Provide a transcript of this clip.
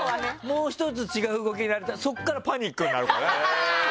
もう１つ違う動き言われたらそこからパニックになるから。